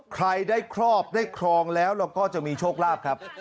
ใครได้ครอบได้ครองแล้วเราก็จะมีโชคลาภครับ